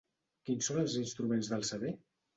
Quins són els instruments del saber?